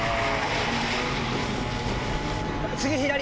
次左！